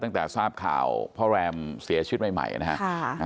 ตั้งแต่ทราบข่าวพ่อแรมเสียชีวิตใหม่นะครับ